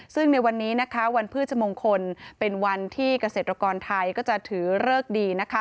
ซึ่งในวันนี้นะคะวันพฤชมงคลเป็นวันที่เกษตรกรไทยก็จะถือเลิกดีนะคะ